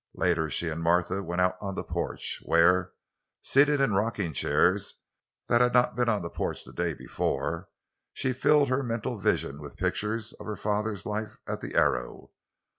Later she and Martha went out on the porch, where, seated in rocking chairs—that had not been on the porch the day before—she filled her mental vision with pictures of her father's life at the Arrow.